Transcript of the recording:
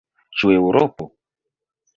Ĉu Eŭropo?